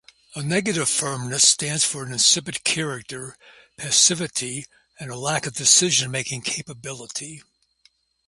A negative Firmness stands for an insipid character, passivity and lack of decision-making capability.